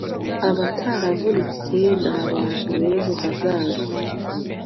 Abataravutse nabantu bejo hazaza